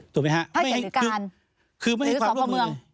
ถ้าเกี่ยวกันหรือสอบข้อเมือง